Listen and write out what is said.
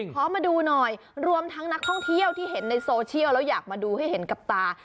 ขอมาดูหน่อยรวมทั้งนักท่องเที่ยวที่เห็นในโซเชียลแล้วอยากมาดูให้เห็นกับตา